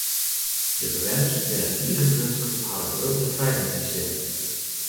De bewenners binne tige grutsk op harren grutte frijheidssin.